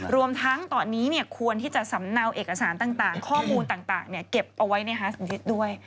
รวมทั้งตอนนี้ควรที่จะสำเนาเอกสารต่างข้อมูลต่างเก็บเอาไว้ในฮาสยึดด้วย